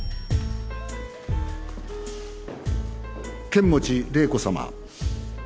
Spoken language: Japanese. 剣持麗子さま。